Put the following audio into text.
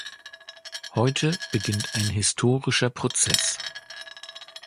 Heute beginnt ein historischer Prozess.